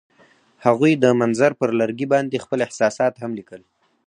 هغوی د منظر پر لرګي باندې خپل احساسات هم لیکل.